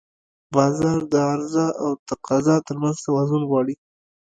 بازار د عرضه او تقاضا ترمنځ توازن غواړي.